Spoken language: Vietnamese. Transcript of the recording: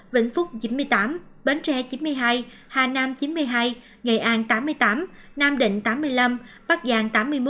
một trăm linh sáu vĩnh phúc chín mươi tám bến tre chín mươi hai hà nam chín mươi hai nghệ an tám mươi tám nam định tám mươi năm bắc giang